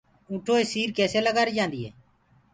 اونٺو سير ڪيسي لگآري جآندي هي